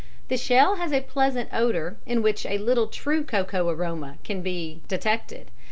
The shell has a pleasant odour in which a little true cocoa aroma can be detected.